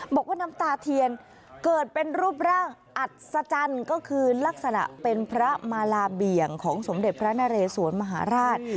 บอกว่าน้ำตาเทียนเกิดเป็นรูปร่างอัศจรรย์ก็คือลักษณะเป็นพระมาลาเบี่ยงของสมเด็จพระนเรสวนมหาราช